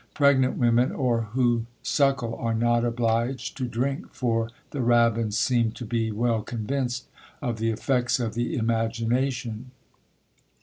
Pregnant women, or who suckle, are not obliged to drink for the rabbins seem to be well convinced of the effects of the imagination.